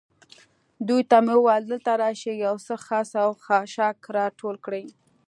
دوی ته مې وویل: دلته راشئ، یو څه خس او خاشاک را ټول کړئ.